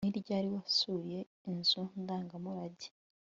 Ni ryari wasuye inzu ndangamurage